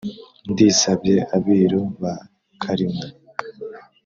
Ndisabye Abiru ba Kalina